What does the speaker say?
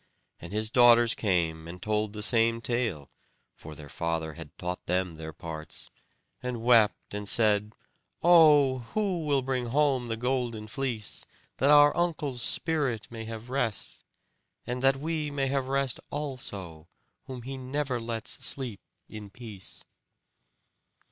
And his daughters came, and told the same tale (for their father had taught them their parts) and wept, and said, "Oh, who will bring home the golden fleece, that our uncle's spirit may have rest; and that we may have rest also, whom he never lets sleep in peace?"